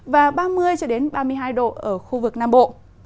và ba mươi ba mươi hai độ ở khu vực nam bộ